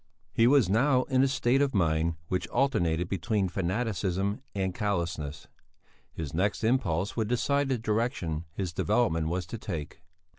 He was now in a state of mind which alternated between fanaticism and callousness; his next impulse would decide the direction his development was to take.